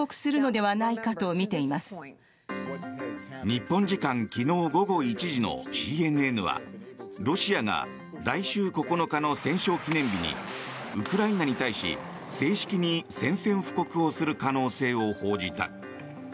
日本時間昨日午後１時のＣＮＮはロシアが来週９日の戦勝記念日にウクライナに対し正式に宣戦布告をする可能性を報じた。